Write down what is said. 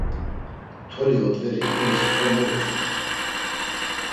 Toli odveri, iris xo mo utzumer!